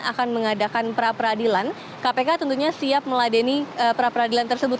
akan mengadakan pra peradilan kpk tentunya siap meladeni pra peradilan tersebut